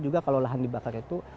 juga kalau lahan dibakar itu